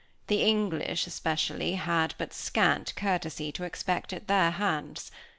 The English, especially, had but scant courtesy to expect at their hands.